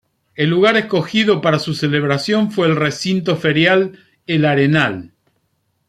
El lugar escogido para su celebración fue el Recinto Ferial El Arenal.